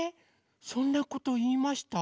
そんなこといいました？